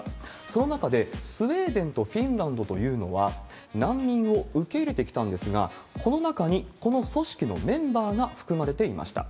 その中で、スウェーデンとフィンランドというのは難民を受け入れてきたんですが、この中にこの組織のメンバーが含まれていました。